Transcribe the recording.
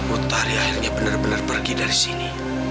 utari akhirnya bener bener pergi dari sini